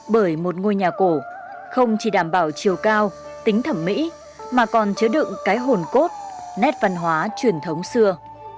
bởi một ngôi nhà cổ không chỉ đảm bảo chiều cao tính thẩm mỹ mà còn chứa đựng cái hồn cốt nét văn hóa truyền thống xưa